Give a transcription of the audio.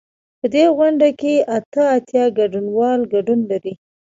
په دې غونډه کې اته اتیا ګډونوال ګډون لري.